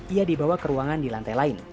ia dibawa ke ruangan di lantai lain